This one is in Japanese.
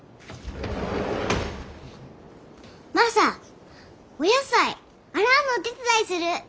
マサお野菜洗うのお手伝いする。